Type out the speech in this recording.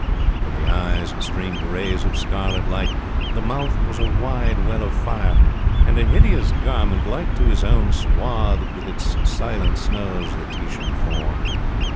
From the eyes streamed rays of scarlet light, the mouth was a wide well of fire, and a hideous garment, like to his own, swathed with its silent snows the Titan form.